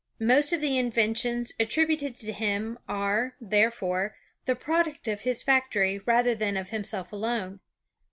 Most of the inven tions attributed to him are, therefore, the product of his factory, rather than of himself alone.